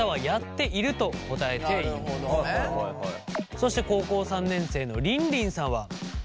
そして高校３年生のりんりんさんは。